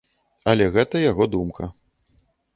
Але гэта яго думка.